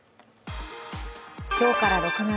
今日から６月。